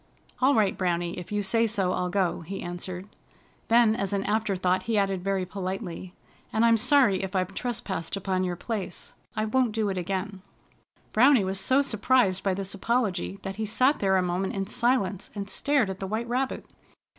"All right, Browny, if you say so, I'll go," he answered. Then, as an after thought, he added very politely: "And I'm sorry if I've trespassed upon your place. I won't do it again." Browny was so surprised by this apology that he sat there a moment in silence and stared at the White Rabbit.